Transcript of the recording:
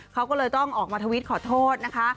เขาก็เลยต้องออกมาทวิตขอโทษนะคะ